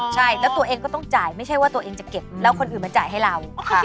ใช่แล้วตัวเองก็ต้องจ่ายไม่ใช่ว่าตัวเองจะเก็บแล้วคนอื่นมาจ่ายให้เรา